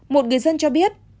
một người dân cho biết